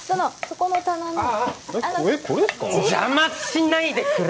邪魔しないでくれ！